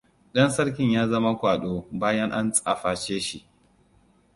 Ɗan sarkin ya zama kwaɗo bayan an tsaface shi.